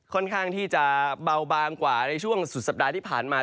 ค่อนข้างที่จะเบาบางกว่าในช่วงสุดสัปดาห์ที่ผ่านมา